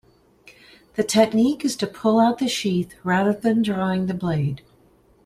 The technique is to pull out the sheath rather than drawing the blade.